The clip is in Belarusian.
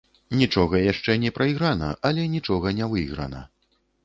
Нічога яшчэ не прайграна, але нічога не выйграна.